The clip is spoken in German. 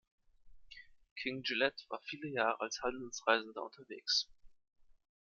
King Gillette war viele Jahre als Handelsreisender unterwegs.